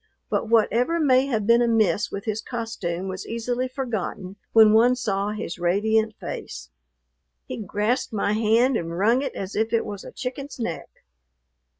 But whatever may have been amiss with his costume was easily forgotten when one saw his radiant face. He grasped my hand and wrung it as if it was a chicken's neck.